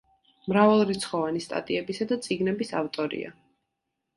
მრავალრიცხოვანი სტატიებისა და წიგნების ავტორია.